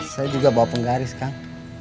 saya juga bawa penggaris kang